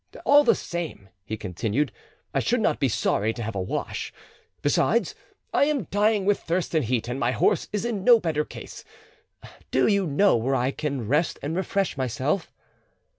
"All the same," he continued, "I should not be sorry to have a wash; besides, I am dying with thirst and heat, and my horse is in no better case. Do you know where I can rest and refresh myself?"